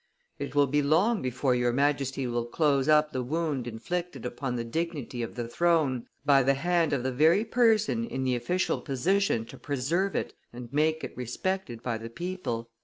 It will be long before your Majesty will close up the wound inflicted upon the dignity of the throne by the hand of the very person in the official position to preserve it and make it respected by the people."